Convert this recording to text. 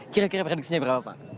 kira kira prediksinya berapa pak